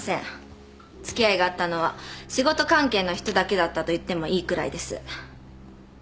付き合いがあったのは仕事関係の人だけだったと言ってもいいくらいです。